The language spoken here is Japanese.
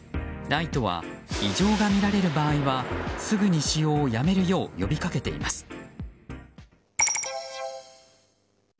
ＮＩＴＥは異常が見られる場合はすぐに使用をやめるよう呼びかけています。